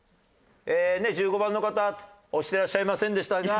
１５番の方押してらっしゃいませんでしたが。